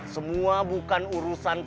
semua bukan urusan saya